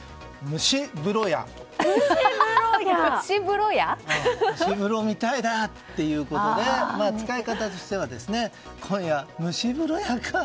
蒸し風呂みたいだってことで使い方としては今夜、蒸し風呂夜か。